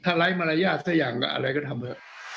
ถ้าไร้มารยาทสักอย่างอะไรก็ทำเถอะ